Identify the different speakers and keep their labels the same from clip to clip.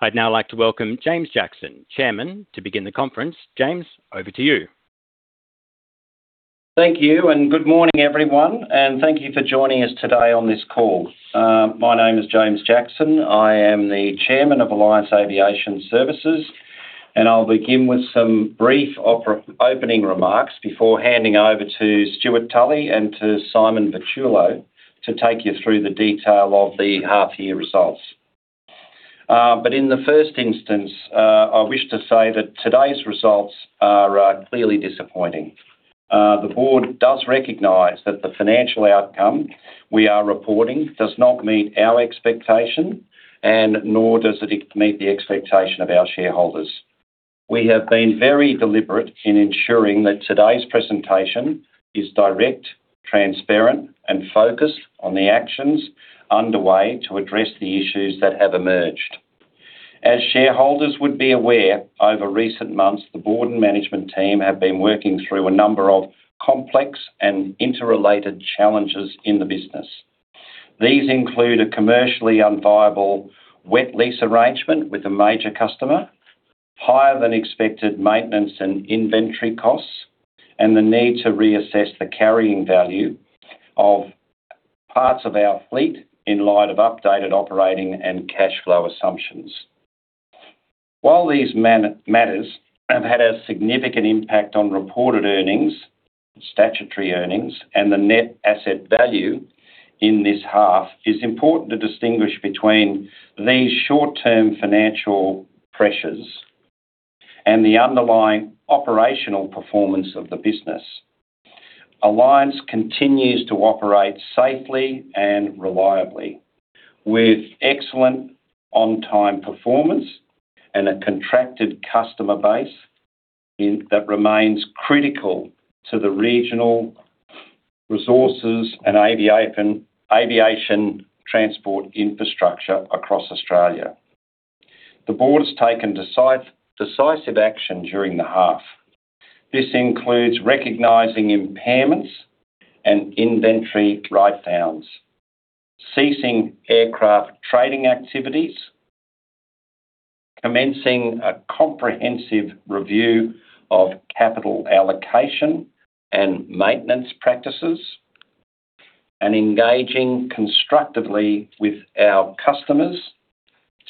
Speaker 1: I'd now like to welcome James Jackson, Chairman, to begin the conference. James, over to you.
Speaker 2: Thank you, and good morning, everyone, and thank you for joining us today on this call. My name is James Jackson. I am the Chairman of Alliance Aviation Services, and I'll begin with some brief opening remarks before handing over to Stewart Tully and to Simon Vertullo to take you through the detail of the half-year results. But in the first instance, I wish to say that today's results are clearly disappointing. The board does recognize that the financial outcome we are reporting does not meet our expectation, and nor does it meet the expectation of our shareholders. We have been very deliberate in ensuring that today's presentation is direct, transparent, and focused on the actions underway to address the issues that have emerged. As shareholders would be aware, over recent months, the board and management team have been working through a number of complex and interrelated challenges in the business. These include a commercially unviable wet lease arrangement with a major customer, higher-than-expected maintenance and inventory costs, and the need to reassess the carrying value of parts of our fleet in light of updated operating and cash flow assumptions. While these matters have had a significant impact on reported earnings, statutory earnings, and the net asset value in this half, it's important to distinguish between these short-term financial pressures and the underlying operational performance of the business. Alliance continues to operate safely and reliably, with excellent on-time performance and a contracted customer base that remains critical to the regional resources and aviation transport infrastructure across Australia. The board has taken decisive action during the half. This includes recognizing impairments and inventory write-downs, ceasing aircraft trading activities, commencing a comprehensive review of capital allocation and maintenance practices, and engaging constructively with our customers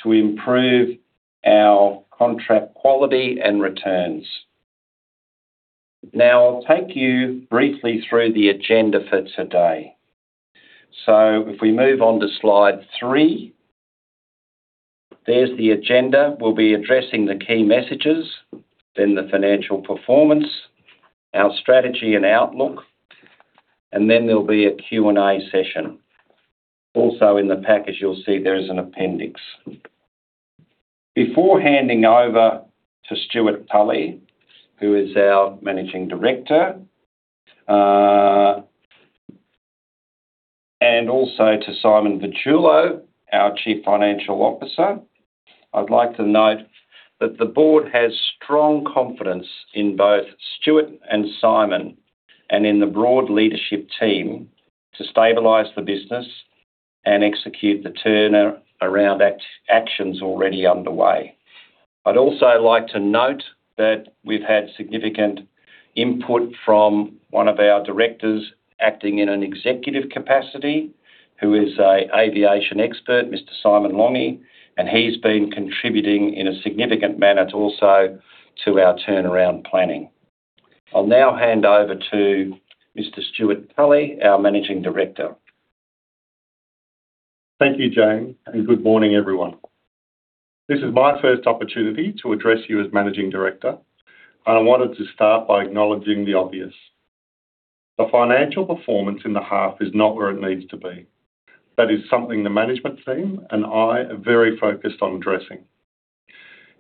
Speaker 2: to improve our contract quality and returns. Now, I'll take you briefly through the agenda for today. So if we move on to slide three, there's the agenda. We'll be addressing the key messages, then the financial performance, our strategy and outlook, and then there'll be a Q&A session. Also, in the package, you'll see there is an appendix. Before handing over to Stewart Tully, who is our Managing Director, and also to Simon Vertullo, our Chief Financial Officer, I'd like to note that the board has strong confidence in both Stewart and Simon, and in the broad leadership team, to stabilize the business and execute the turnaround actions already underway. I'd also like to note that we've had significant input from one of our directors acting in an executive capacity, who is an aviation expert, Mr. Simon Lange, and he's been contributing in a significant manner also to our turnaround planning. I'll now hand over to Mr. Stewart Tully, our Managing Director.
Speaker 3: Thank you, James, and good morning, everyone. This is my first opportunity to address you as Managing Director. I wanted to start by acknowledging the obvious. The financial performance in the half is not where it needs to be. That is something the management team and I are very focused on addressing.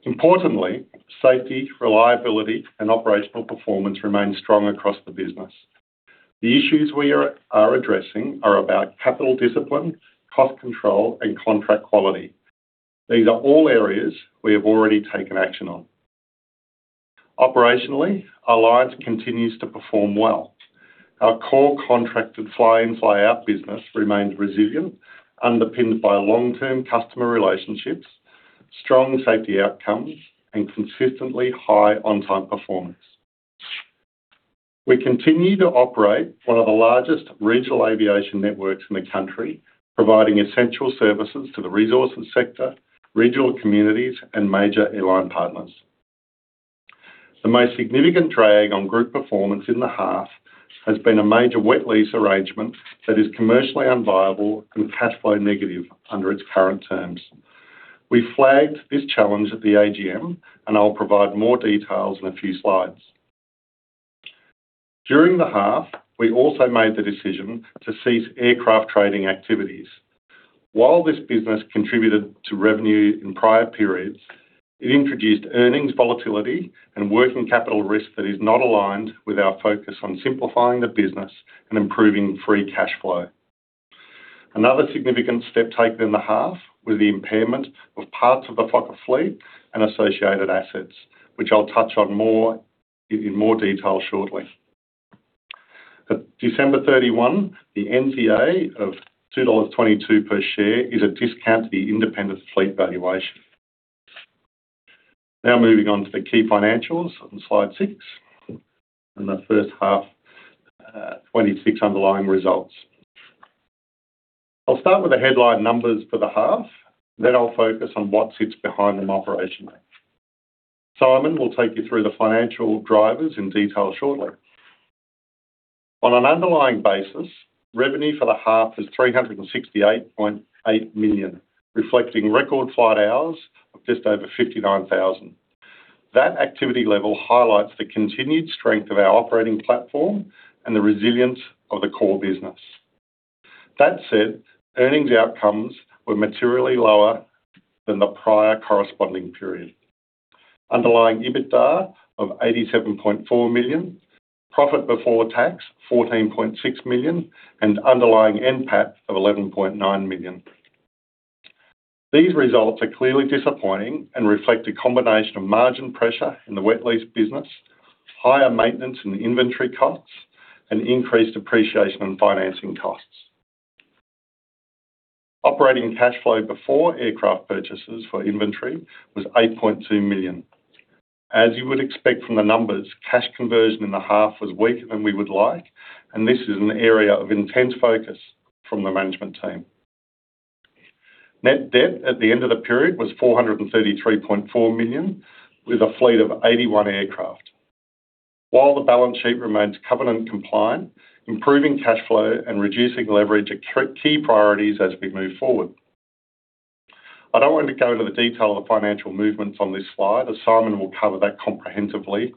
Speaker 3: Importantly, safety, reliability, and operational performance remain strong across the business. The issues we are addressing are about capital discipline, cost control, and contract quality. These are all areas we have already taken action on. Operationally, Alliance continues to perform well. Our core contracted fly-in, fly-out business remains resilient, underpinned by long-term customer relationships, strong safety outcomes, and consistently high on-time performance. We continue to operate one of the largest regional aviation networks in the country, providing essential services to the resources sector, regional communities, and major airline partners. The most significant drag on group performance in the half has been a major wet lease arrangement that is commercially unviable and cash flow negative under its current terms. We flagged this challenge at the AGM, and I'll provide more details in a few slides. During the half, we also made the decision to cease aircraft trading activities. While this business contributed to revenue in prior periods, it introduced earnings volatility and working capital risk that is not aligned with our focus on simplifying the business and improving free cash flow. Another significant step taken in the half was the impairment of parts of the Fokker fleet and associated assets, which I'll touch on more, in more detail shortly. At 31 December, the NTA of 2.22 dollars per share is a discount to the independent fleet valuation. Now moving on to the key financials on slide six, and the first half 2026 underlying results. I'll start with the headline numbers for the half, then I'll focus on what sits behind them operationally. Simon will take you through the financial drivers in detail shortly. On an underlying basis, revenue for the half is 368.8 million, reflecting record flight hours of just over 59,000. That activity level highlights the continued strength of our operating platform and the resilience of the core business. That said, earnings outcomes were materially lower than the prior corresponding period. Underlying EBITDA of 87.4 million, profit before tax 14.6 million, and underlying NPAT of 11.9 million. These results are clearly disappointing and reflect a combination of margin pressure in the wet lease business, higher maintenance and inventory costs, and increased depreciation and financing costs. Operating cash flow before aircraft purchases for inventory was 8.2 million. As you would expect from the numbers, cash conversion in the half was weaker than we would like, and this is an area of intense focus from the management team. Net debt at the end of the period was 433.4 million, with a fleet of 81 aircraft. While the balance sheet remains covenant compliant, improving cash flow and reducing leverage are key priorities as we move forward. I don't want to go into the detail of the financial movements on this slide, as Simon will cover that comprehensively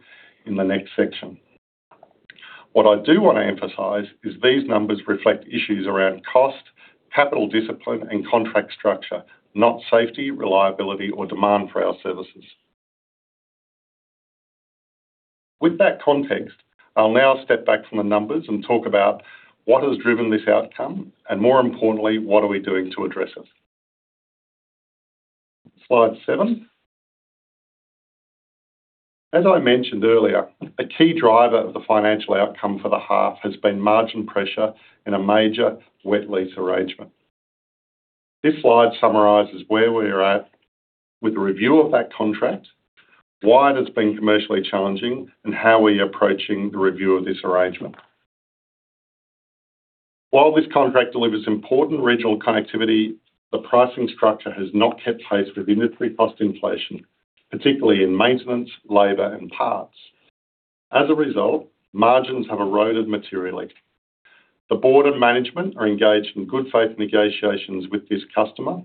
Speaker 3: in the next section. What I do want to emphasize is these numbers reflect issues around cost, capital discipline, and contract structure, not safety, reliability, or demand for our services. With that context, I'll now step back from the numbers and talk about what has driven this outcome, and more importantly, what are we doing to address it. Slide seven. As I mentioned earlier, a key driver of the financial outcome for the half has been margin pressure in a major wet lease arrangement. This slide summarizes where we're at with the review of that contract, why it has been commercially challenging, and how we are approaching the review of this arrangement. While this contract delivers important regional connectivity, the pricing structure has not kept pace with industry cost inflation, particularly in maintenance, labor, and parts. As a result, margins have eroded materially. The board and management are engaged in good faith negotiations with this customer.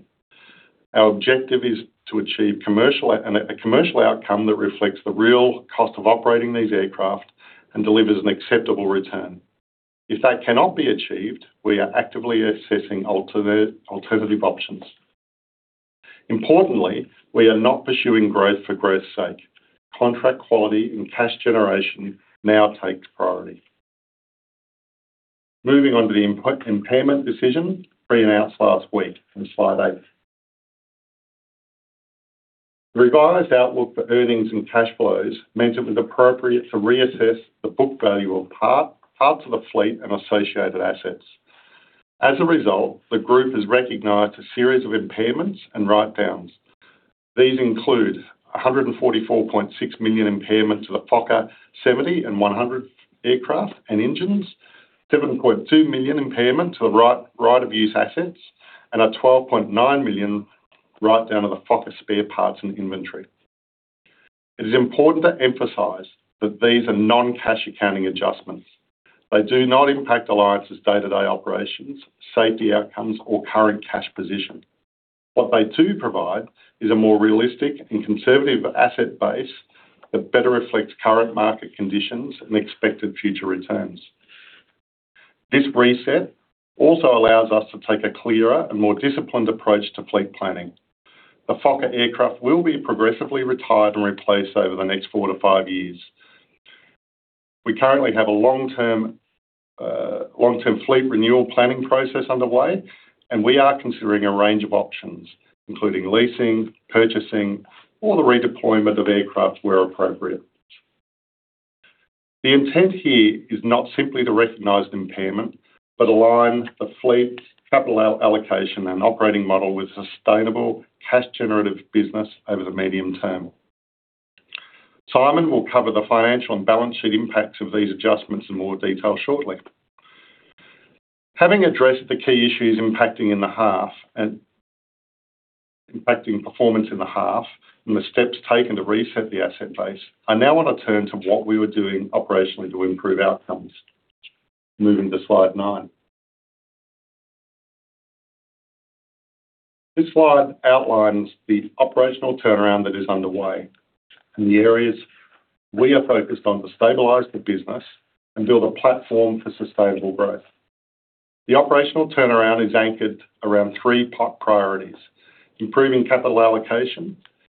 Speaker 3: Our objective is to achieve commercial, and a, a commercial outcome that reflects the real cost of operating these aircraft and delivers an acceptable return. If that cannot be achieved, we are actively assessing alternate, alternative options. Importantly, we are not pursuing growth for growth's sake. Contract quality and cash generation now takes priority. Moving on to the impairment decision we announced last week on slide eight. The revised outlook for earnings and cash flows meant it was appropriate to reassess the book value of part, parts of the fleet and associated assets. As a result, the group has recognized a series of impairments and write-downs. These include 144.6 million impairment to the Fokker 70 and 100 aircraft and engines, 7.2 million impairment to the right-of-use assets, and a 12.9 million write-down of the Fokker spare parts and inventory. It is important to emphasize that these are non-cash accounting adjustments. They do not impact Alliance's day-to-day operations, safety outcomes, or current cash position. What they do provide is a more realistic and conservative asset base that better reflects current market conditions and expected future returns. This reset also allows us to take a clearer and more disciplined approach to fleet planning. The Fokker aircraft will be progressively retired and replaced over the next four to five years. We currently have a long-term fleet renewal planning process underway, and we are considering a range of options, including leasing, purchasing, or the redeployment of aircraft where appropriate. The intent here is not simply to recognize the impairment, but align the fleet, capital allocation, and operating model with sustainable cash-generative business over the medium term. Simon will cover the financial and balance sheet impacts of these adjustments in more detail shortly. Having addressed the key issues impacting performance in the half and the steps taken to reset the asset base, I now want to turn to what we were doing operationally to improve outcomes. Moving to slide nine. This slide outlines the operational turnaround that is underway and the areas we are focused on to stabilize the business and build a platform for sustainable growth. The operational turnaround is anchored around three top priorities: improving capital allocation,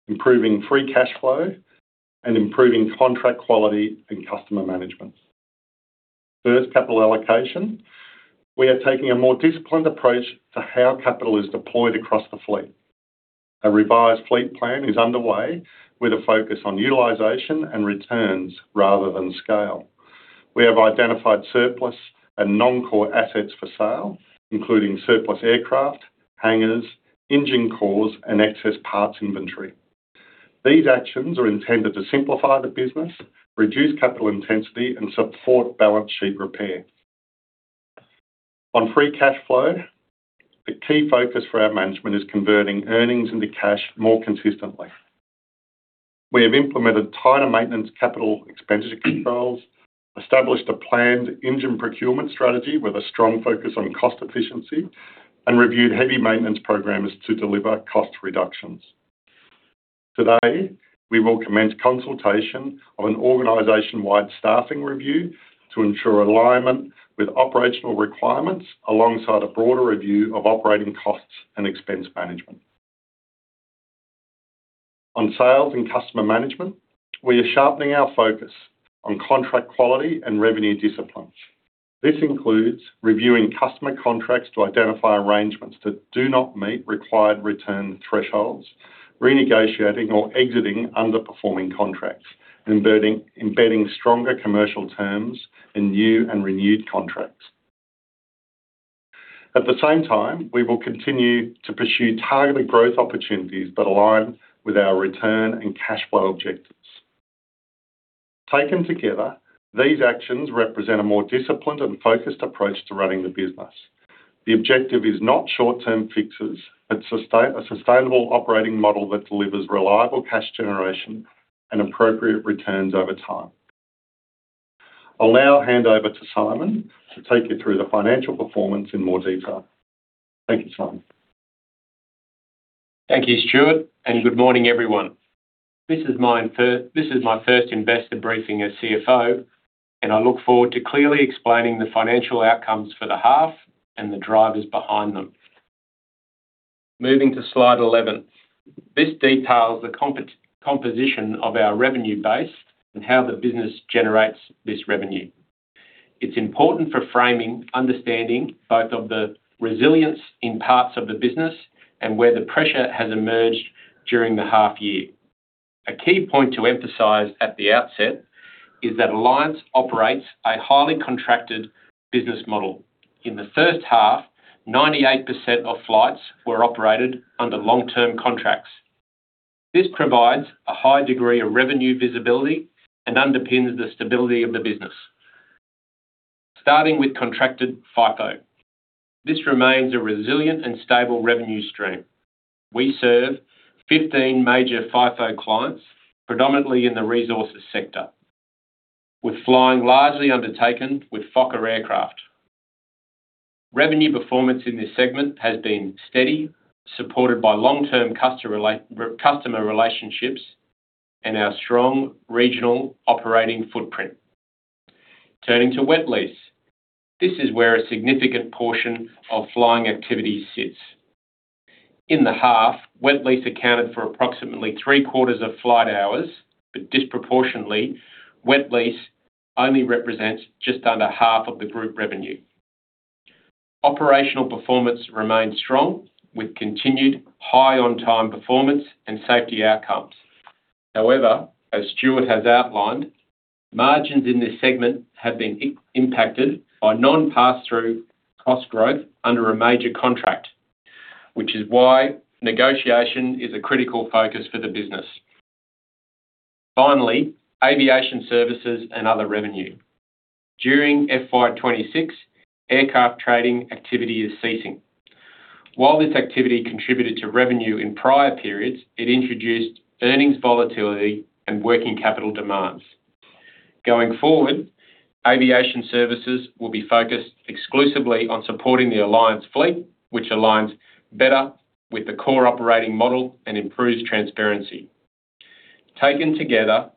Speaker 3: improving free cash flow, and improving contract quality and customer management. First, capital allocation. We are taking a more disciplined approach to how capital is deployed across the fleet. A revised fleet plan is underway, with a focus on utilization and returns rather than scale. We have identified surplus and non-core assets for sale, including surplus aircraft, hangars, engine cores, and excess parts inventory. These actions are intended to simplify the business, reduce capital intensity, and support balance sheet repair. On free cash flow, the key focus for our management is converting earnings into cash more consistently. We have implemented tighter maintenance capital expenditure controls, established a planned engine procurement strategy with a strong focus on cost efficiency, and reviewed heavy maintenance programs to deliver cost reductions. Today, we will commence consultation on an organization-wide staffing review to ensure alignment with operational requirements, alongside a broader review of operating costs and expense management. On sales and customer management, we are sharpening our focus on contract quality and revenue disciplines. This includes reviewing customer contracts to identify arrangements that do not meet required return thresholds, renegotiating or exiting underperforming contracts, and embedding stronger commercial terms in new and renewed contracts. At the same time, we will continue to pursue targeted growth opportunities that align with our return and cash flow objectives. Taken together, these actions represent a more disciplined and focused approach to running the business. The objective is not short-term fixes, but a sustainable operating model that delivers reliable cash generation and appropriate returns over time. I'll now hand over to Simon to take you through the financial performance in more detail. Thank you, Simon.
Speaker 4: Thank you, Stewart, and good morning, everyone. This is my first investor briefing as CFO, and I look forward to clearly explaining the financial outcomes for the half and the drivers behind them. Moving to slide 11. This details the composition of our revenue base and how the business generates this revenue. It's important for framing, understanding both of the resilience in parts of the business and where the pressure has emerged during the half year. A key point to emphasize at the outset is that Alliance operates a highly contracted business model. In the first half, 98% of flights were operated under long-term contracts. This provides a high degree of revenue visibility and underpins the stability of the business. Starting with contracted FIFO. This remains a resilient and stable revenue stream. We serve 15 major FIFO clients, predominantly in the resources sector, with flying largely undertaken with Fokker aircraft. Revenue performance in this segment has been steady, supported by long-term customer relationships and our strong regional operating footprint. Turning to wet lease, this is where a significant portion of flying activity sits. In the half, wet lease accounted for approximately three-quarters of flight hours, but disproportionately, wet lease only represents just under half of the group revenue. Operational performance remains strong, with continued high on-time performance and safety outcomes. However, as Stewart has outlined, margins in this segment have been impacted by non-pass-through cost growth under a major contract, which is why negotiation is a critical focus for the business. Finally, aviation services and other revenue. During FY 2026, aircraft trading activity is ceasing. While this activity contributed to revenue in prior periods, it introduced earnings volatility and working capital demands. Going forward, aviation services will be focused exclusively on supporting the Alliance fleet, which aligns better with the core operating model and improves transparency. Taken together,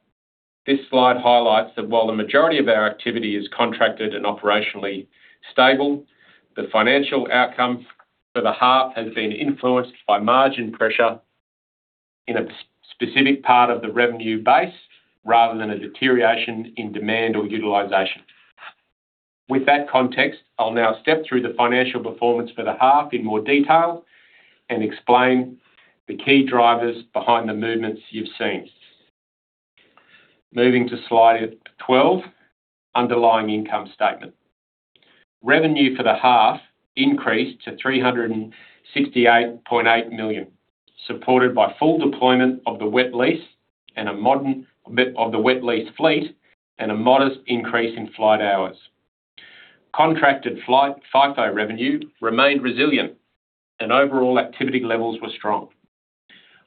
Speaker 4: this slide highlights that while the majority of our activity is contracted and operationally stable, the financial outcome for the half has been influenced by margin pressure in a specific part of the revenue base, rather than a deterioration in demand or utilization. With that context, I'll now step through the financial performance for the half in more detail and explain the key drivers behind the movements you've seen. Moving to slide 12, underlying income statement. Revenue for the half increased to 368.8 million, supported by full deployment of the wet lease and a modernization of the wet lease fleet and a modest increase in flight hours. Contracted flight FIFO revenue remained resilient and overall activity levels were strong.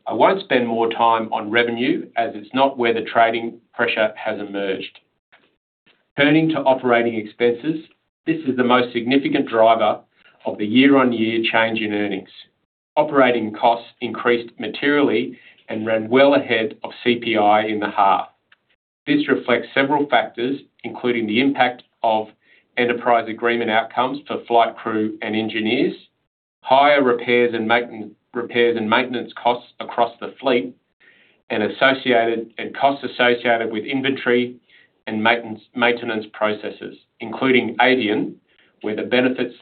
Speaker 4: I won't spend more time on revenue as it's not where the trading pressure has emerged. Turning to operating expenses, this is the most significant driver of the year-on-year change in earnings. Operating costs increased materially and ran well ahead of CPI in the half. This reflects several factors, including the impact of enterprise agreement outcomes for flight crew and engineers, higher repairs and maintenance costs across the fleet and associated costs associated with inventory and maintenance processes, including Avion, where the benefits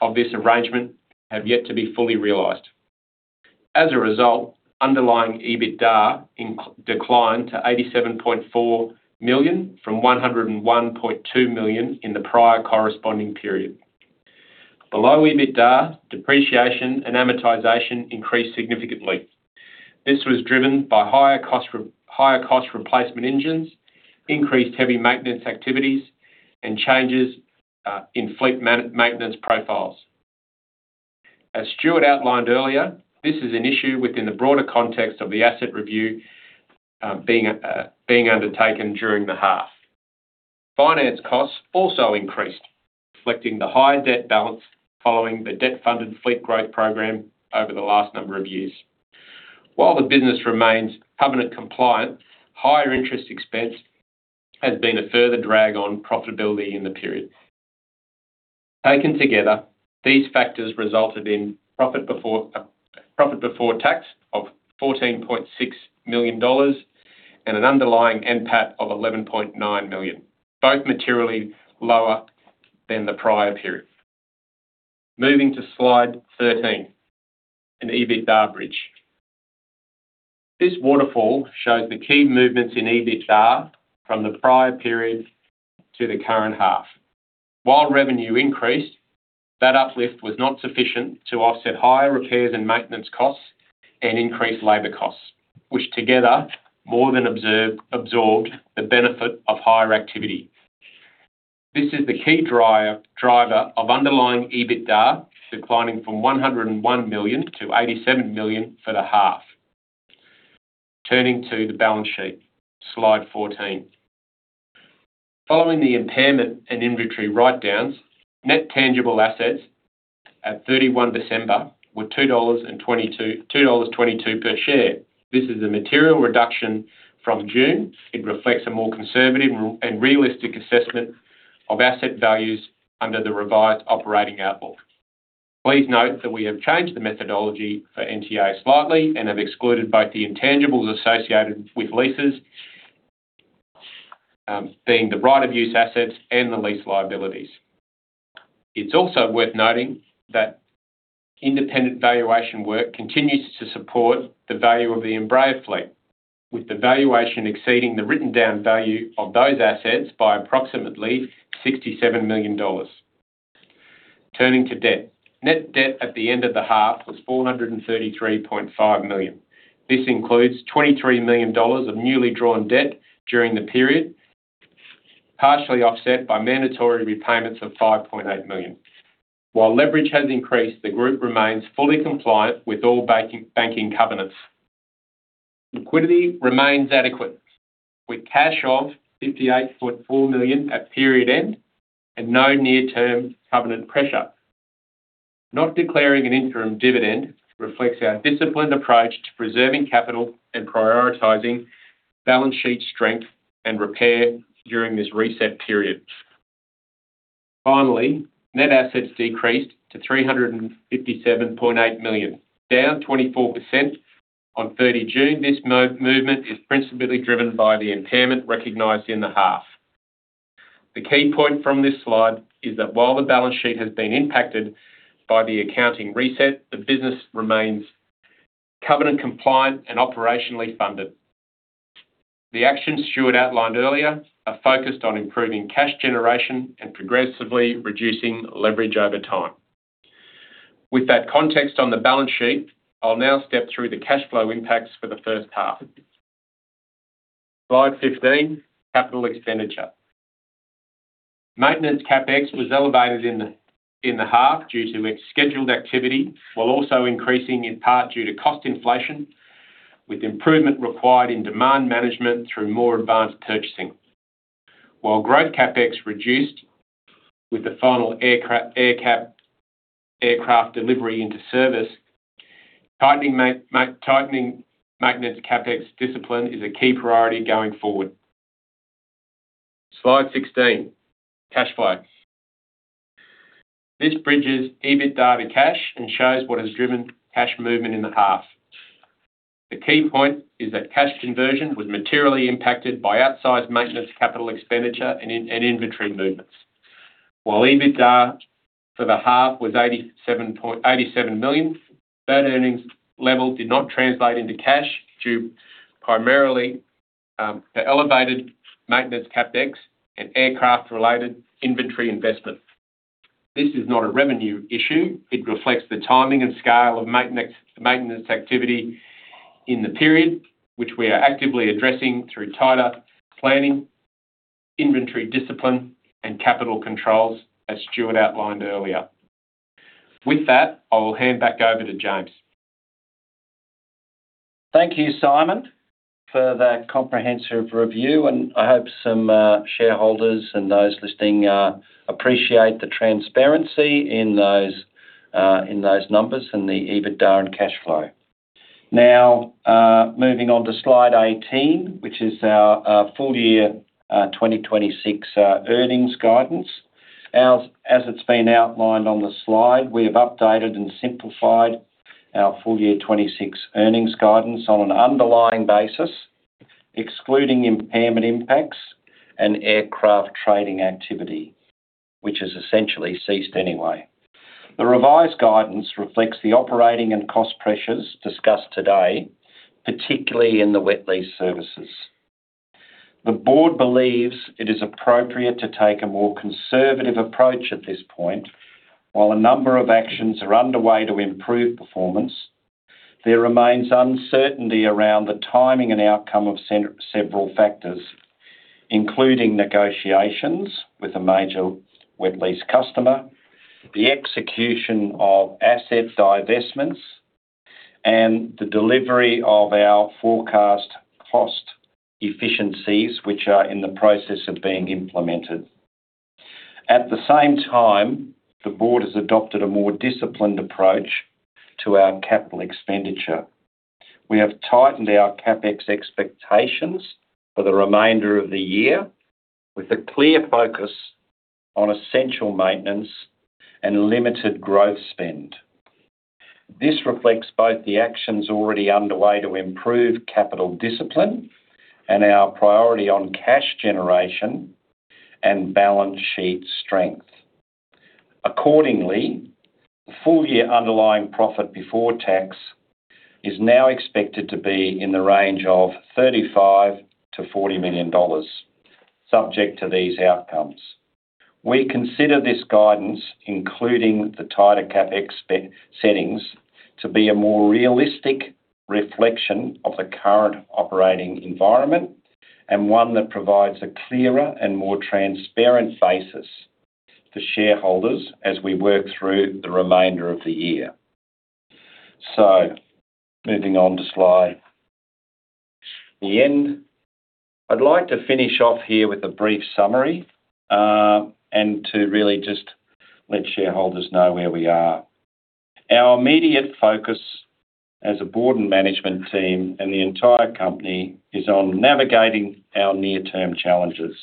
Speaker 4: of this arrangement have yet to be fully realized. As a result, underlying EBITDA declined to 87.4 million from 101.2 million in the prior corresponding period. Below EBITDA, depreciation and amortization increased significantly. This was driven by higher cost replacement engines, increased heavy maintenance activities, and changes in fleet maintenance profiles. As Stewart outlined earlier, this is an issue within the broader context of the asset review being undertaken during the half. Finance costs also increased, reflecting the high debt balance following the debt-funded fleet growth program over the last number of years. While the business remains covenant compliant, higher interest expense has been a further drag on profitability in the period. Taken together, these factors resulted in profit before tax of 14.6 million dollars and an underlying NPAT of 11.9 million, both materially lower than the prior period. Moving to Slide 13, an EBITDA bridge. This waterfall shows the key movements in EBITDA from the prior period to the current half. While revenue increased, that uplift was not sufficient to offset higher repairs and maintenance costs and increased labor costs, which together more than absorbed the benefit of higher activity. This is the key driver of underlying EBITDA, declining from 101 million to 87 million for the half. Turning to the balance sheet, Slide 14. Following the impairment in inventory write-downs, net tangible assets at 31 December were 2.22 dollars per share. This is a material reduction from June. It reflects a more conservative and realistic assessment of asset values under the revised operating outlook. Please note that we have changed the methodology for NTA slightly and have excluded both the intangibles associated with leases, being the right-of-use assets and the lease liabilities. It's also worth noting that independent valuation work continues to support the value of the Embraer fleet, with the valuation exceeding the written-down value of those assets by approximately 67 million dollars. Turning to debt. Net debt at the end of the half was 433.5 million. This includes 23 million dollars of newly drawn debt during the period, partially offset by mandatory repayments of 5.8 million. While leverage has increased, the group remains fully compliant with all banking covenants. Liquidity remains adequate, with cash of 58.4 million at period end and no near-term covenant pressure. Not declaring an interim dividend reflects our disciplined approach to preserving capital and prioritizing balance sheet strength and repair during this reset period. Finally, net assets decreased to 357.8 million, down 24% on 30 June. This movement is principally driven by the impairment recognized in the half. The key point from this slide is that while the balance sheet has been impacted by the accounting reset, the business remains covenant compliant and operationally funded. The actions Stewart outlined earlier are focused on improving cash generation and progressively reducing leverage over time. With that context on the balance sheet, I'll now step through the cash flow impacts for the first half. Slide 15, capital expenditure. Maintenance CapEx was elevated in the half due to its scheduled activity, while also increasing in part due to cost inflation, with improvement required in demand management through more advanced purchasing. While growth CapEx reduced with the final aircraft, AerCap aircraft delivery into service, tightening maintenance CapEx discipline is a key priority going forward. Slide 16, cash flow. This bridges EBITDA to cash and shows what has driven cash movement in the half. The key point is that cash conversion was materially impacted by outsized maintenance, capital expenditure, and inventory movements. While EBITDA for the half was 87 million, that earnings level did not translate into cash, due primarily to elevated maintenance CapEx and aircraft-related inventory investment. This is not a revenue issue. It reflects the timing and scale of maintenance, maintenance activity in the period, which we are actively addressing through tighter planning, inventory discipline, and capital controls, as Stuart outlined earlier. With that, I will hand back over to James.
Speaker 2: Thank you, Simon, for that comprehensive review, and I hope some shareholders and those listening appreciate the transparency in those numbers and the EBITDA and cash flow. Now, moving on to slide 18, which is our full year 2026 earnings guidance. As it's been outlined on the slide, we have updated and simplified our full year 2026 earnings guidance on an underlying basis, excluding impairment impacts and aircraft trading activity, which has essentially ceased anyway. The board believes it is appropriate to take a more conservative approach at this point. While a number of actions are underway to improve performance, there remains uncertainty around the timing and outcome of several factors, including negotiations with a major wet lease customer, the execution of asset divestments, and the delivery of our forecast cost efficiencies, which are in the process of being implemented. At the same time, the board has adopted a more disciplined approach to our capital expenditure. We have tightened our CapEx expectations for the remainder of the year, with a clear focus on essential maintenance and limited growth spend. This reflects both the actions already underway to improve capital discipline and our priority on cash generation and balance sheet strength. Accordingly, full-year underlying profit before tax is now expected to be in the range of 35 million-40 million dollars, subject to these outcomes. We consider this guidance, including the tighter CapEx spending settings, to be a more realistic reflection of the current operating environment and one that provides a clearer and more transparent basis to shareholders as we work through the remainder of the year. So moving on to slide ten. I'd like to finish off here with a brief summary, and to really just let shareholders know where we are. Our immediate focus as a board and management team and the entire company is on navigating our near-term challenges.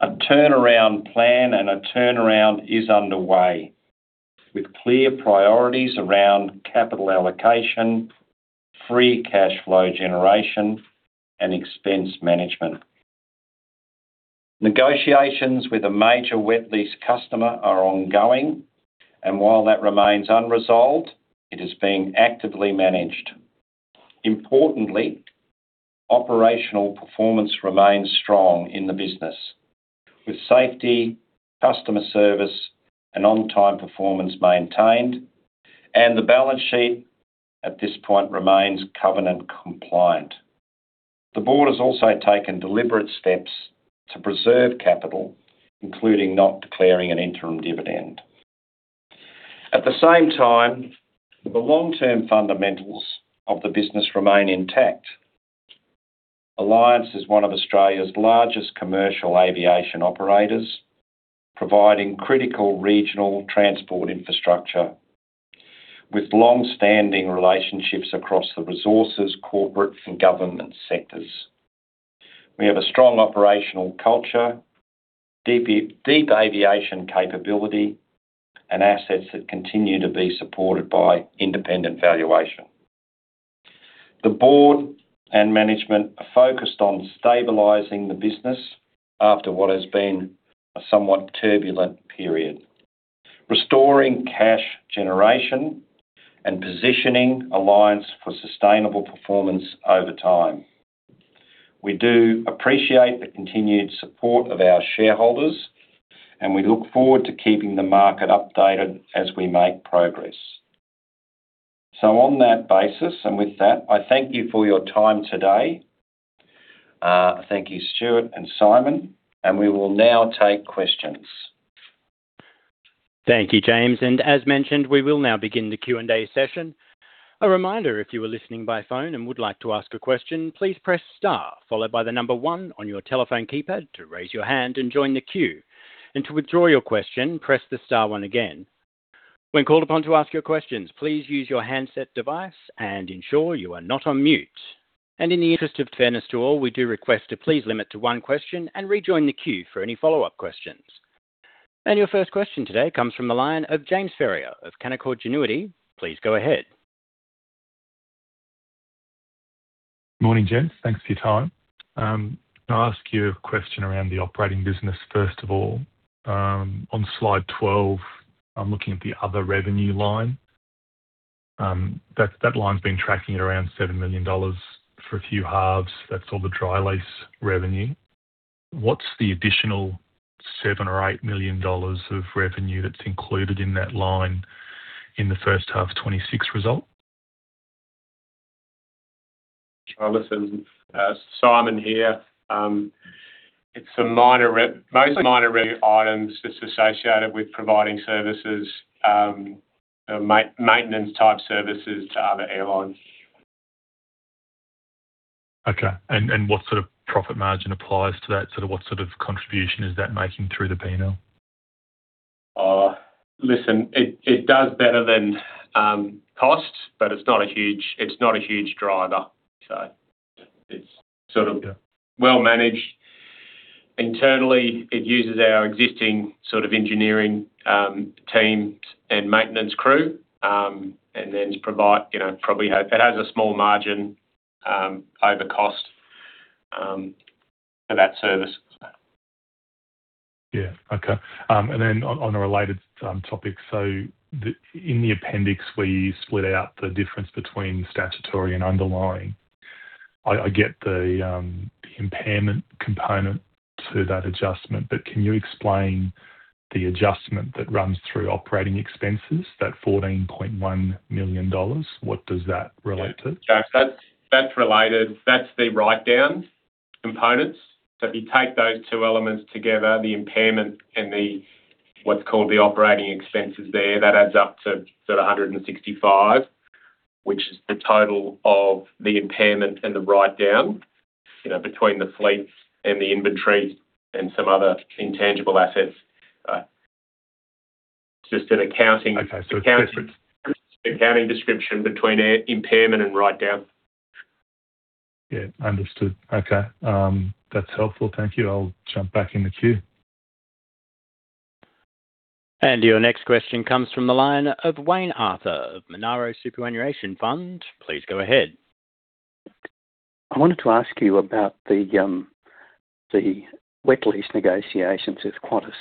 Speaker 2: A turnaround plan and a turnaround is underway, with clear priorities around capital allocation, free cash flow generation, and expense management. Negotiations with a major wet lease customer are ongoing, and while that remains unresolved, it is being actively managed. Importantly, operational performance remains strong in the business, with safety, customer service, and on-time performance maintained, and the balance sheet at this point remains covenant compliant. The board has also taken deliberate steps to preserve capital, including not declaring an interim dividend. At the same time, the long-term fundamentals of the business remain intact. Alliance is one of Australia's largest commercial aviation operators, providing critical regional transport infrastructure with long-standing relationships across the resources, corporate, and government sectors. We have a strong operational culture, deep, deep aviation capability, and assets that continue to be supported by independent valuation. The board and management are focused on stabilizing the business after what has been a somewhat turbulent period, restoring cash generation and positioning Alliance for sustainable performance over time. We do appreciate the continued support of our shareholders, and we look forward to keeping the market updated as we make progress. So on that basis, and with that, I thank you for your time today. Thank you, Stewart and Simon, and we will now take questions.
Speaker 1: Thank you, James, and as mentioned, we will now begin the Q&A session. A reminder, if you are listening by phone and would like to ask a question, please press star followed by the number one on your telephone keypad to raise your hand and join the queue. And to withdraw your question, press the star one again. When called upon to ask your questions, please use your handset device and ensure you are not on mute. And in the interest of fairness to all, we do request to please limit to one question and rejoin the queue for any follow-up questions. And your first question today comes from the line of James Ferrier of Canaccord Genuity. Please go ahead.
Speaker 5: Morning, James. Thanks for your time. I'll ask you a question around the operating business, first of all. On slide 12, I'm looking at the other revenue line. That, that line's been tracking at around 7 million dollars for a few halves. That's all the dry lease revenue. What's the additional 7 million-8 million dollars of revenue that's included in that line in the first half of 2026 result?
Speaker 4: Listen, Simon here. It's a minor mostly minor re items that's associated with providing services, maintenance type services to other airlines.
Speaker 5: Okay. And, and what sort of profit margin applies to that? Sort of what sort of contribution is that making through the P&L?
Speaker 4: Listen, it does better than costs, but it's not a huge driver, so
Speaker 2: It's sort of well managed. Internally, it uses our existing sort of engineering, team and maintenance crew, and then provide, you know, probably it has a small margin over cost for that service.
Speaker 5: Yeah. Okay. And then on a related topic, so in the appendix, where you split out the difference between statutory and underlying, I get the impairment component to that adjustment, but can you explain the adjustment that runs through operating expenses, that 14.1 million dollars, what does that relate to?
Speaker 2: Yeah, so that's, that's related. That's the write-down components. So if you take those two elements together, the impairment and the, what's called the operating expenses there, that adds up to sort of 165, which is the total of the impairment and the write-down, you know, between the fleets and the inventory and some other intangible assets. Just an accounting-
Speaker 5: Okay, so it's different.
Speaker 2: Accounting description between impairment and write-down.
Speaker 5: Yeah, understood. Okay, that's helpful. Thank you. I'll jump back in the queue.
Speaker 1: Your next question comes from the line of Wayne Arthur of Monaro Superannuation Fund. Please go ahead.
Speaker 6: I wanted to ask you about the wet lease negotiations with Qantas.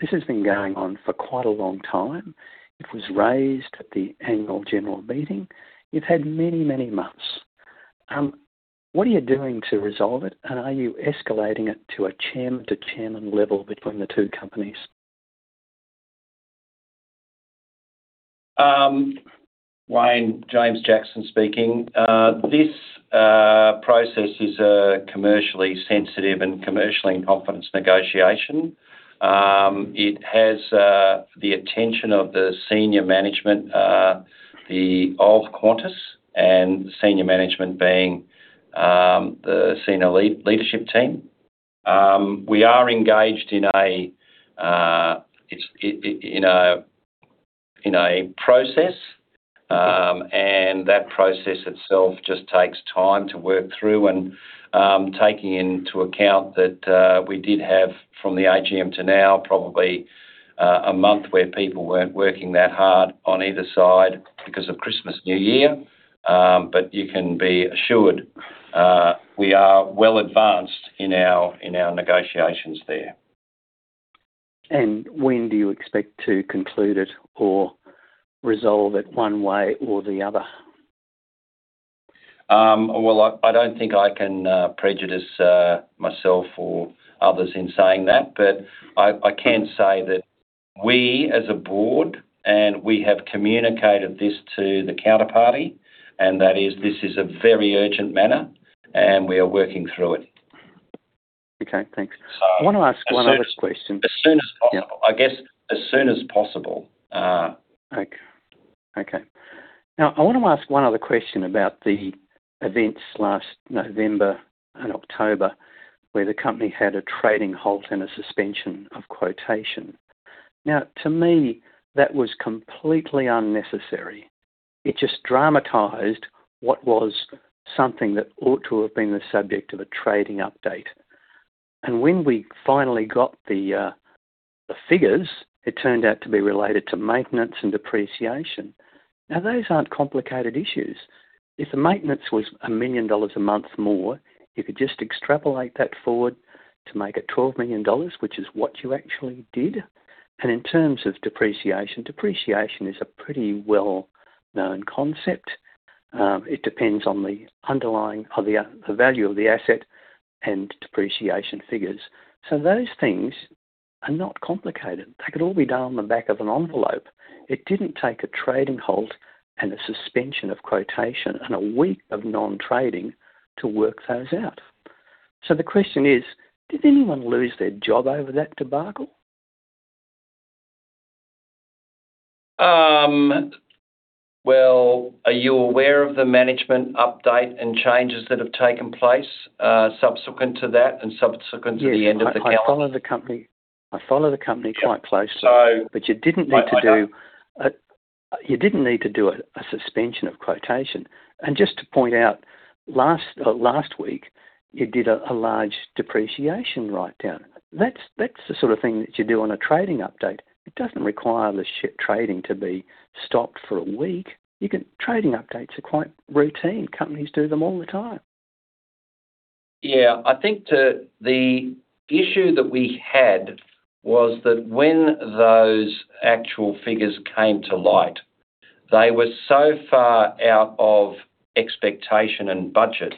Speaker 6: This has been going on for quite a long time. It was raised at the Annual General Meeting. You've had many, many months. What are you doing to resolve it? And are you escalating it to a chairman to chairman level between the two companies?
Speaker 2: Wayne, James Jackson speaking. This process is a commercially sensitive and commercially in confidence negotiation. It has the attention of the senior management of Qantas and senior management being the senior leadership team. We are engaged in a process, and that process itself just takes time to work through and taking into account that we did have from the AGM to now, probably a month where people weren't working that hard on either side because of Christmas, New Year. But you can be assured we are well advanced in our negotiations there.
Speaker 6: When do you expect to conclude it or resolve it one way or the other?
Speaker 2: Well, I don't think I can prejudice myself or others in saying that, but I can say that we, as a board, and we have communicated this to the counterparty, and that is, this is a very urgent matter, and we are working through it.
Speaker 6: Okay, thanks.
Speaker 2: Uh
Speaker 6: I want to ask one other question.
Speaker 2: As soon as
Speaker 6: Yeah.
Speaker 2: I guess, as soon as possible,
Speaker 6: Okay. Okay. Now, I want to ask one other question about the events last November and October, where the company had a trading halt and a suspension of quotation. Now, to me, that was completely unnecessary. It just dramatized what was something that ought to have been the subject of a trading update. And when we finally got the, the figures, it turned out to be related to maintenance and depreciation. Now, those aren't complicated issues. If the maintenance was 1 million dollars a month more, you could just extrapolate that forward to make it 12 million dollars, which is what you actually did. And in terms of depreciation, depreciation is a pretty well-known concept. It depends on the underlying or the, the value of the asset and depreciation figures. So those things are not complicated. They could all be done on the back of an envelope. It didn't take a trading halt and a suspension of quotation and a week of non-trading to work those out. So the question is: did anyone lose their job over that debacle?
Speaker 2: Well, are you aware of the management update and changes that have taken place, subsequent to that and subsequent to the end of the calendar?
Speaker 6: Yes, I follow the company. I follow the company quite closely.
Speaker 2: So
Speaker 6: But you didn't need to do a suspension of quotation. And just to point out, last week, you did a large depreciation write-down. That's the sort of thing that you do on a trading update. It doesn't require the ASX trading to be stopped for a week. You can trading updates are quite routine. Companies do them all the time.
Speaker 2: Yeah. I think the issue that we had was that when those actual figures came to light, they were so far out of expectation and budget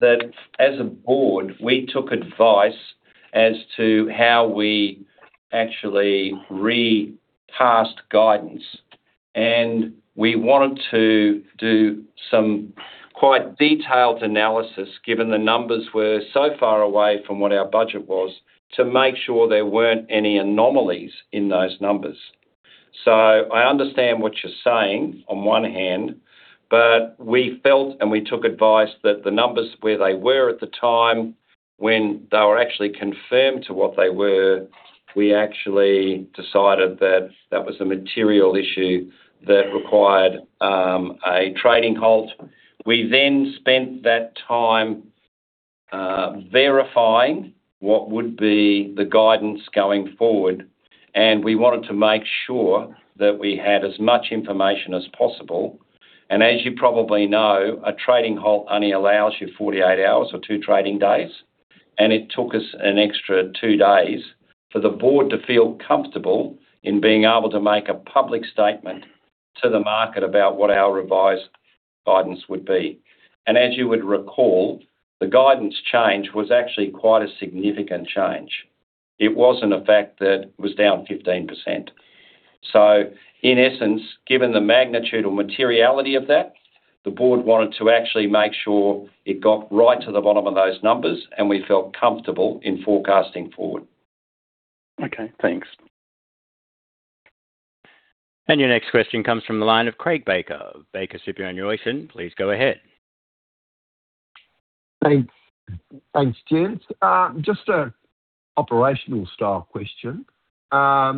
Speaker 2: that as a board, we took advice as to how we actually recast guidance. And we wanted to do some quite detailed analysis, given the numbers were so far away from what our budget was, to make sure there weren't any anomalies in those numbers. So I understand what you're saying on one hand, but we felt, and we took advice that the numbers, where they were at the time
Speaker 3: When they were actually confirmed to what they were, we actually decided that that was a material issue that required a trading halt. We then spent that time verifying what would be the guidance going forward, and we wanted to make sure that we had as much information as possible. And as you probably know, a trading halt only allows you 48 hours or two trading days And it took us an extra two days for the board to feel comfortable in being able to make a public statement to the market about what our revised guidance would be. And as you would recall, the guidance change was actually quite a significant change. It wasn't a fact that it was down 15%. In essence, given the magnitude or materiality of that, the board wanted to actually make sure it got right to the bottom of those numbers, and we felt comfortable in forecasting forward.
Speaker 6: Okay, thanks.
Speaker 1: Your next question comes from the line of Craig Baker of Baker Superannuation. Please go ahead.
Speaker 7: Thanks. Thanks, James. Just an operational style question. Ha,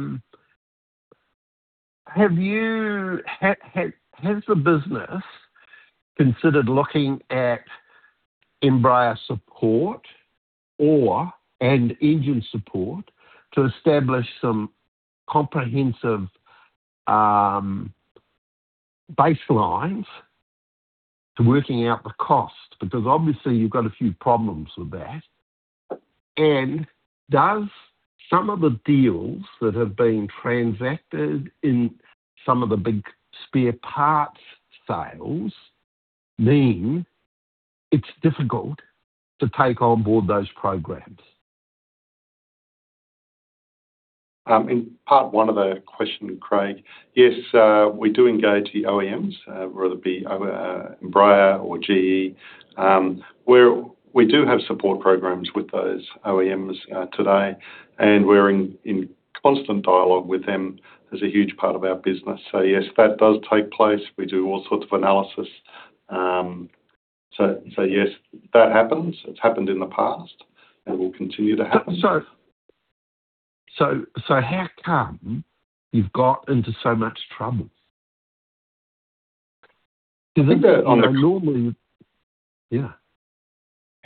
Speaker 7: ha, has the business considered looking at Embraer support or, and engine support to establish some comprehensive baselines to working out the cost? Because obviously, you've got a few problems with that. And does some of the deals that have been transacted in some of the big spare parts sales mean it's difficult to take on board those programs?
Speaker 3: In part one of the question, Craig, yes, we do engage the OEMs, whether it be Embraer or GE. We do have support programs with those OEMs today, and we're in constant dialogue with them as a huge part of our business. So yes, that does take place. We do all sorts of analysis. So yes, that happens. It's happened in the past and will continue to happen.
Speaker 7: So, how come you've got into so much trouble? Does it-
Speaker 3: I think that
Speaker 7: On a normal. Yeah.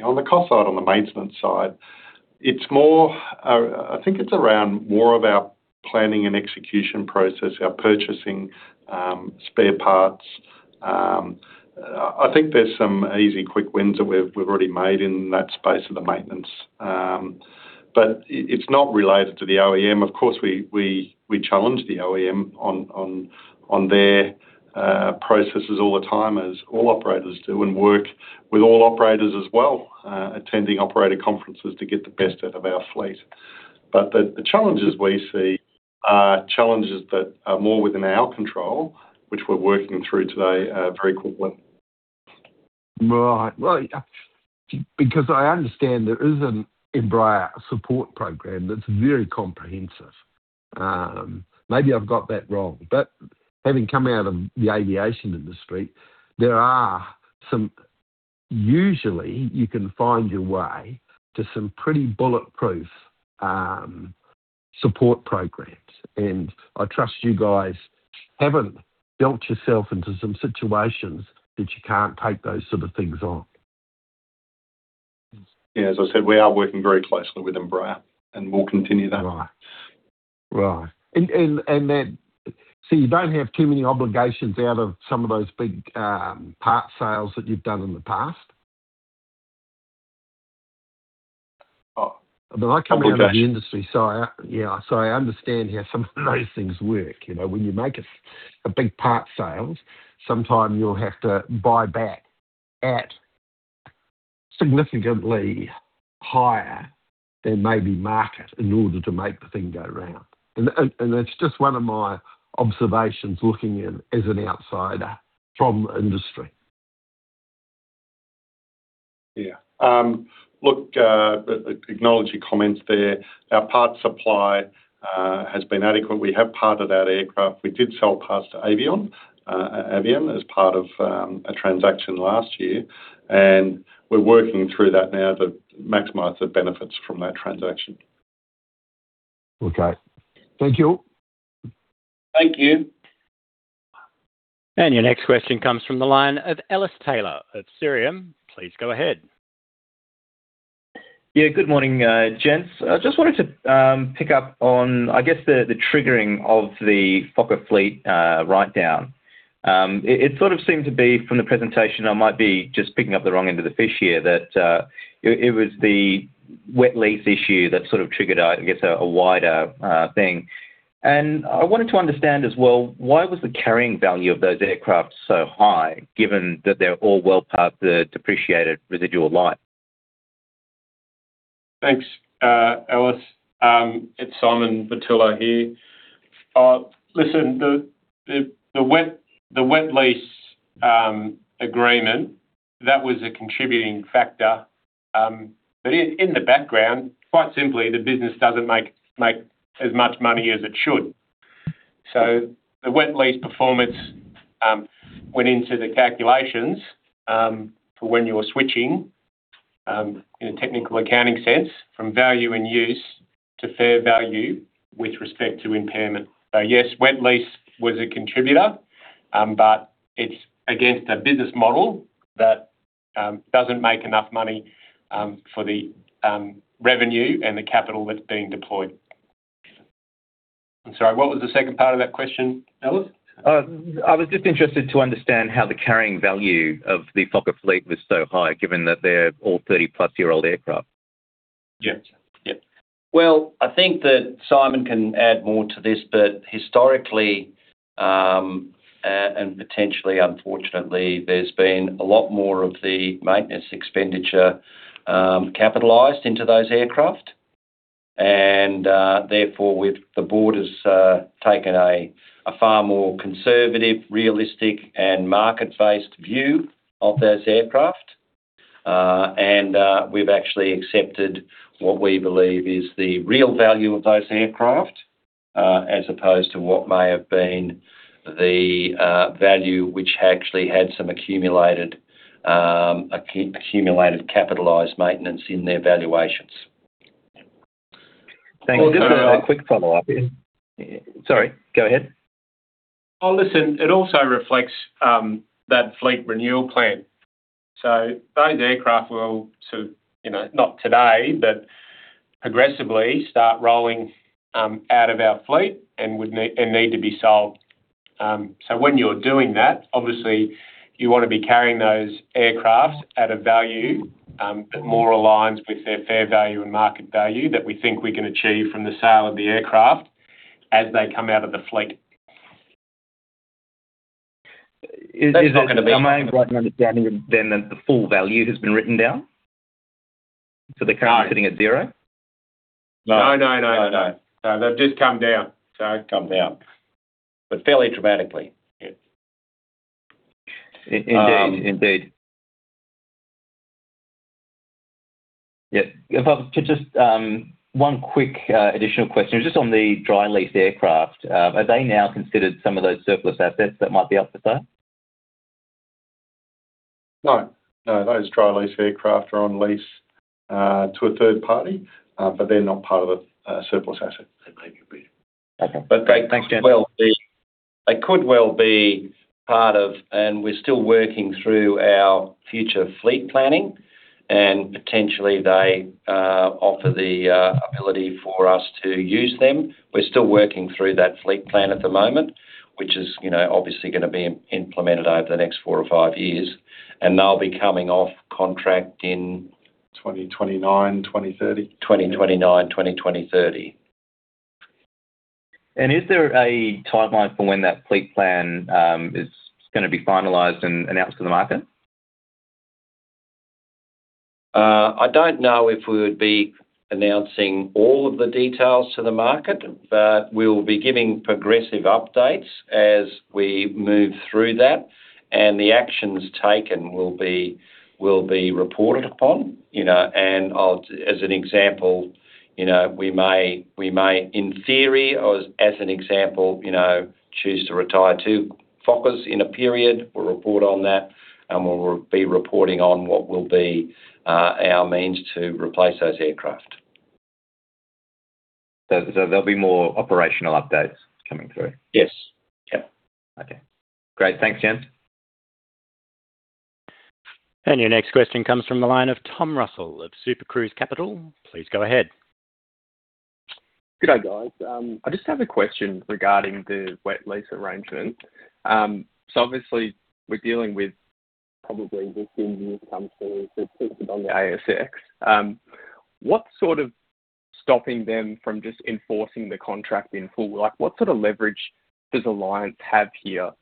Speaker 3: On the cost side, on the maintenance side, it's more, I think it's around more of our planning and execution process, our purchasing, spare parts. I think there's some easy quick wins that we've already made in that space of the maintenance. But it's not related to the OEM. Of course, we challenge the OEM on their processes all the time, as all operators do, and work with all operators as well, attending operator conferences to get the best out of our fleet. But the challenges we see are challenges that are more within our control, which we're working through today, very quickly.
Speaker 7: Right. Well, yeah, because I understand there is an Embraer support program that's very comprehensive. Maybe I've got that wrong, but having come out of the aviation industry, there are some, usually you can find your way to some pretty bulletproof support programs, and I trust you guys haven't dealt yourself into some situations that you can't take those sort of things on.
Speaker 3: Yeah, as I said, we are working very closely with Embraer, and we'll continue that.
Speaker 7: Right. Right. And then, so you don't have too many obligations out of some of those big part sales that you've done in the past?
Speaker 3: Oh
Speaker 7: But I come out of the industry, so yeah, I understand how some of those things work. You know, when you make a big part sales, sometimes you'll have to buy back at significantly higher than maybe market in order to make the thing go round. And it's just one of my observations looking in as an outsider from industry.
Speaker 3: Yeah. Look, acknowledge your comments there. Our parts supply has been adequate. We have parted out aircraft. We did sell parts to Avion, Avion as part of a transaction last year, and we're working through that now to maximize the benefits from that transaction.
Speaker 7: Okay. Thank you.
Speaker 3: Thank you.
Speaker 1: Your next question comes from the line of Ellis Taylor at Cirium. Please go ahead.
Speaker 8: Yeah, good morning, gents. I just wanted to pick up on, I guess, the triggering of the Fokker fleet write down. It sort of seemed to be from the presentation, I might be just picking up the wrong end of the fish here, that it was the wet lease issue that sort of triggered, I guess, a wider thing. And I wanted to understand as well, why was the carrying value of those aircraft so high, given that they're all well past the depreciated residual life?
Speaker 4: Thanks, Ellis. It's Simon Vertullo here. Listen, the wet lease agreement that was a contributing factor, but in the background, quite simply, the business doesn't make as much money as it should. So the wet lease performance went into the calculations for when you were switching, in a technical accounting sense, from value in use to fair value with respect to impairment. So yes, wet lease was a contributor, but it's against a business model that doesn't make enough money for the revenue and the capital that's being deployed. I'm sorry, what was the second part of that question, Ellis?
Speaker 8: I was just interested to understand how the carrying value of the Fokker fleet was so high, given that they're all 30+-year-old aircraft.
Speaker 2: Yeah. Yep. Well, I think that Simon can add more to this, but historically, and potentially, unfortunately, there's been a lot more of the maintenance expenditure, capitalized into those aircraft, and, therefore, with the board has, taken a far more conservative, realistic, and market-based view of those aircraft. And, we've actually accepted what we believe is the real value of those aircraft, as opposed to what may have been the value, which actually had some accumulated, accumulated capitalized maintenance in their valuations.
Speaker 8: Thanks. Just a quick follow-up here. Sorry, go ahead.
Speaker 4: Oh, listen, it also reflects that fleet renewal plan. So those aircraft will sort of, you know, not today, but aggressively start rolling out of our fleet and need to be sold. So when you're doing that, obviously, you want to be carrying those aircraft at a value that more aligns with their fair value and market value that we think we can achieve from the sale of the aircraft as they come out of the fleet.
Speaker 8: Is that- Am I right in understanding then that the full value has been written down? So they're currently sitting at zero?
Speaker 2: No, no, no, no. No, they've just come down.
Speaker 4: Come down, but fairly dramatically.
Speaker 2: Yeah.
Speaker 8: Indeed, indeed. Yeah, if I could just one quick additional question. Just on the dry leased aircraft, are they now considered some of those surplus assets that might be up for sale?
Speaker 4: No, no, those dry leased aircraft are on lease to a third party, but they're not part of a surplus asset.
Speaker 8: Okay. Thanks, gents.
Speaker 2: They could well be part of... And we're still working through our future fleet planning, and potentially they offer the ability for us to use them. We're still working through that fleet plan at the moment, which is, you know, obviously gonna be implemented over the next four or five years, and they'll be coming off contract in-
Speaker 4: 2029, 2030.
Speaker 2: 2029, 2030.
Speaker 8: Is there a timeline for when that fleet plan is gonna be finalized and announced to the market?
Speaker 2: I don't know if we would be announcing all of the details to the market, but we'll be giving progressive updates as we move through that, and the actions taken will be, will be reported upon, you know, and I'll-- As an example, you know, we may, we may, in theory or as an example, you know, choose to retire two Fokkers in a period. We'll report on that, and we'll be reporting on what will be, our means to replace those aircraft.
Speaker 8: So, there'll be more operational updates coming through?
Speaker 2: Yes. Yep.
Speaker 8: Okay. Great, thanks, gents.
Speaker 1: Your next question comes from the line of Tom Russell of Supercruise Capital. Please go ahead.
Speaker 9: G'day, guys. I just have a question regarding the wet lease arrangement. So obviously we're dealing with probably within the upcoming on the ASX. What's sort of stopping them from just enforcing the contract in full? Like, what sort of leverage does Alliance have here,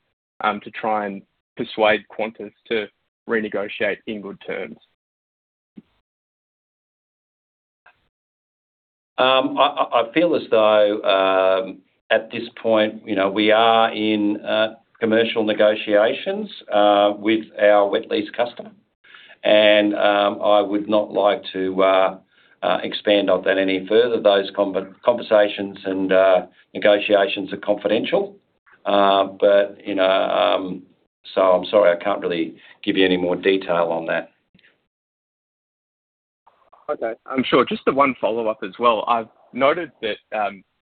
Speaker 9: to try and persuade Qantas to renegotiate in good terms?
Speaker 2: I feel as though at this point, you know, we are in commercial negotiations with our wet lease customer, and I would not like to expand on that any further. Those conversations and negotiations are confidential. But, you know, so I'm sorry, I can't really give you any more detail on that.
Speaker 9: Okay, I'm sure. Just the one follow-up as well. I've noted that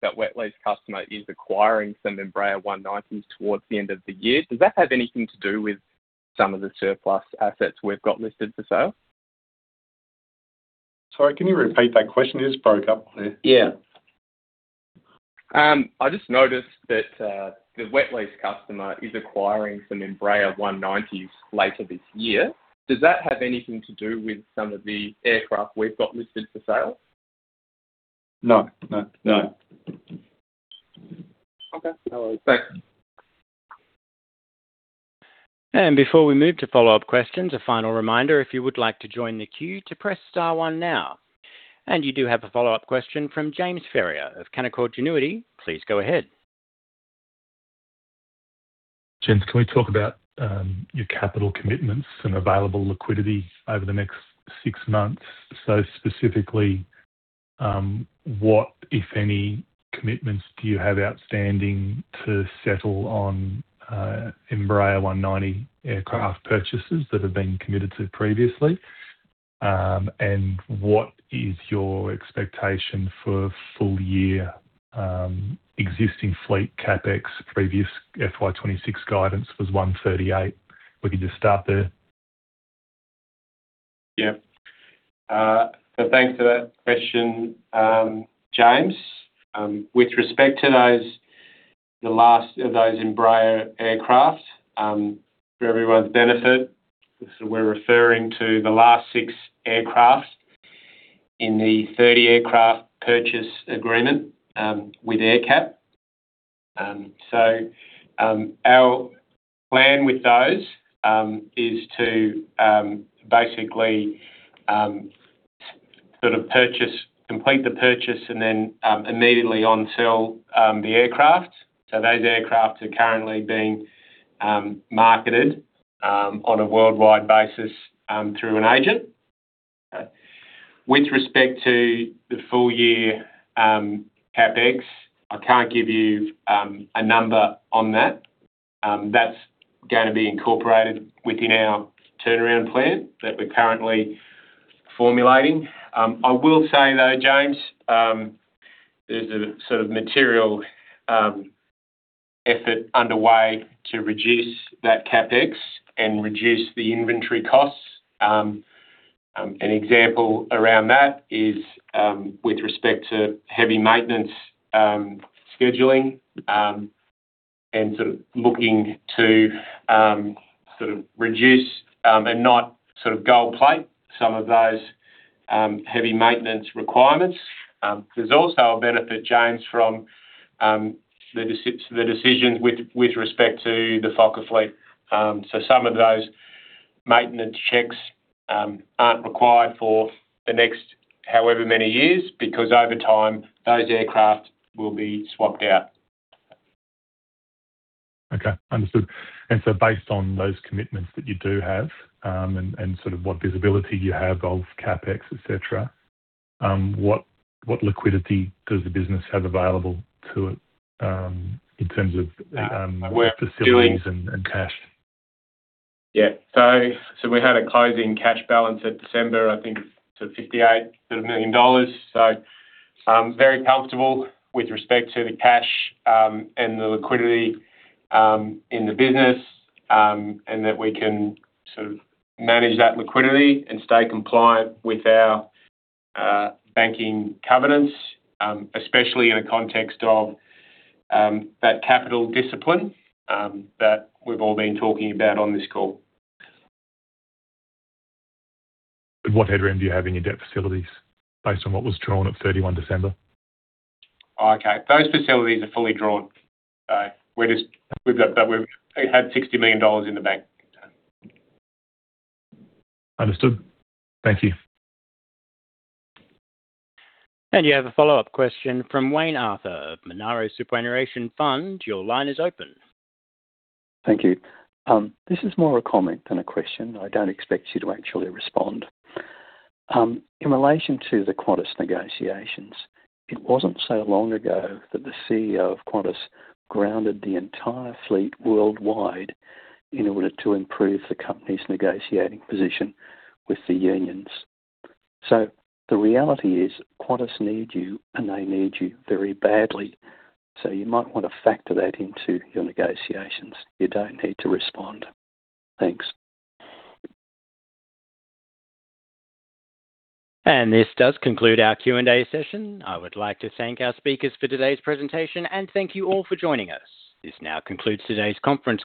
Speaker 9: that wet lease customer is acquiring some Embraer E190s towards the end of the year. Does that have anything to do with some of the surplus assets we've got listed for sale?
Speaker 4: Sorry, can you repeat that question? It just broke up there.
Speaker 9: Yeah. I just noticed that the wet lease customer is acquiring some Embraer 190s later this year. Does that have anything to do with some of the aircraft we've got listed for sale?
Speaker 4: No. No. No.
Speaker 9: Okay, no worries. Thanks.
Speaker 1: Before we move to follow-up questions, a final reminder, if you would like to join the queue, to press Star one now. You do have a follow-up question from James Ferrier of Canaccord Genuity. Please go ahead.
Speaker 5: Gents, can we talk about your capital commitments and available liquidity over the next six months? What, if any, commitments do you have outstanding to settle on Embraer E190 aircraft purchases that have been committed to previously? And what is your expectation for full year existing fleet CapEx? Previous FY 2026 guidance was 138 million. We could just start there.
Speaker 4: Yeah. So thanks for that question, James. With respect to those, the last of those Embraer aircraft, for everyone's benefit, so we're referring to the last six aircraft in the 30 aircraft purchase agreement, with AerCap. So, our plan with those, is to, basically, sort of purchase complete the purchase and then, immediately onsell, the aircraft. So those aircraft are currently being, marketed, on a worldwide basis, through an agent. With respect to the full year, CapEx, I can't give you, a number on that. That's gonna be incorporated within our turnaround plan that we're currently formulating. I will say, though, James, there's a sort of material, effort underway to reduce that CapEx and reduce the inventory costs. An example around that is with respect to heavy maintenance scheduling and sort of looking to sort of reduce and not sort of gold plate some of those heavy maintenance requirements. There's also a benefit, James, from the decision with respect to the Fokker fleet. So some of those maintenance checks aren't required for the next however many years, because over time, those aircraft will be swapped out.
Speaker 5: Okay, understood. And so based on those commitments that you do have, and sort of what visibility you have of CapEx, et cetera, what liquidity does the business have available to it, in terms of facilities and cash?
Speaker 4: Yeah. So we had a closing cash balance at December, I think, so 58 million dollars. So, very comfortable with respect to the cash, and the liquidity, in the business, and that we can sort of manage that liquidity and stay compliant with our banking covenants, especially in a context of that capital discipline that we've all been talking about on this call.
Speaker 5: What headroom do you have in your debt facilities based on what was drawn at 31 December?
Speaker 4: Okay, those facilities are fully drawn. So we're, we've got, we've had 60 million dollars in the bank.
Speaker 5: Understood. Thank you.
Speaker 1: You have a follow-up question from Wayne Arthur of Monaro Superannuation Fund. Your line is open.
Speaker 6: Thank you. This is more a comment than a question. I don't expect you to actually respond. In relation to the Qantas negotiations, it wasn't so long ago that the CEO of Qantas grounded the entire fleet worldwide in order to improve the company's negotiating position with the unions. So the reality is, Qantas need you, and they need you very badly. So you might want to factor that into your negotiations. You don't need to respond. Thanks.
Speaker 1: This does conclude our Q&A session. I would like to thank our speakers for today's presentation, and thank you all for joining us. This now concludes today's conference.